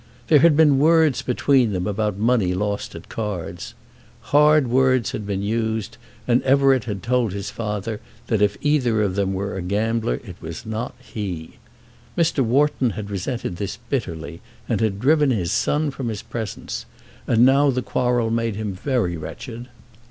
There had been words between them about money lost at cards. Hard words had been used, and Everett had told his father that if either of them were a gambler it was not he. Mr. Wharton had resented this bitterly and had driven his son from his presence, and now the quarrel made him very wretched.